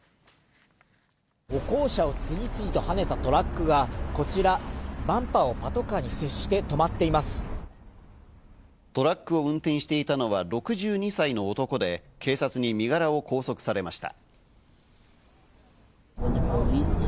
歩行者を次々とはねたトラックはこちら、バンパーをトラックを運転していたのは６２歳の男で、警察に身柄を拘束されました。